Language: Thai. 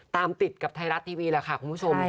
ติดกับไทยรัฐทีวีแหละค่ะคุณผู้ชม